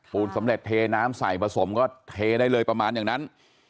สำเร็จเทน้ำใส่ผสมก็เทได้เลยประมาณอย่างนั้น